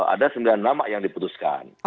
ada sembilan nama yang diputuskan